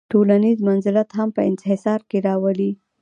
ټولنیز منزلت هم په انحصار کې راولي.